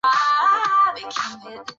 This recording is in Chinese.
而圣火则整晚于大会堂对开燃烧。